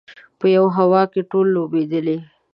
په یوه هوا کې ټولې لوبېدلې.